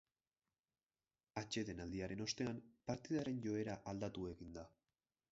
Atsedenaldiaren ostean partidaren joera aldatu egin da.